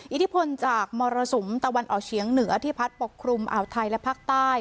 อิทธิพลจากมรสุมตะวันออกเฉียงเหนือที่พัดปกครุมอ่าวไทยและภาคใต้